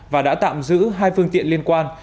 và đã tạm giữ hai phương tiện liên quan